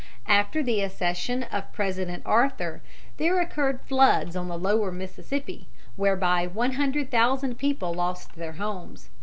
] After the accession of President Arthur, there occurred floods on the lower Mississippi, whereby one hundred thousand people lost their homes.